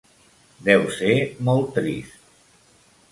Deu ser molt trist.